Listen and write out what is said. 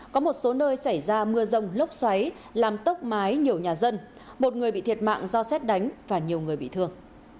có một số nơi xảy ra mưa rông lốc xoáy làm tốc mái nhiều nhà dân một người bị thiệt mạng do xét đánh và nhiều người bị thương